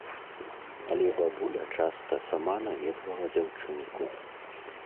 Але бабуля часта сама наведвала дзяўчынку.